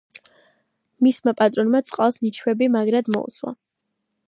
მისმა პატრონმა წყალს ნიჩბები მაგრად მოუსვა